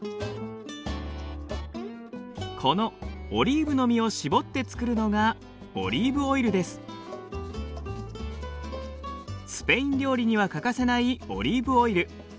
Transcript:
このオリーブの実を搾って作るのがスペイン料理には欠かせないオリーブオイル。